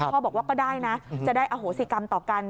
บอกว่าก็ได้นะจะได้อโหสิกรรมต่อกัน